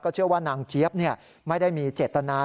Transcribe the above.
เชื่อว่านางเจี๊ยบไม่ได้มีเจตนา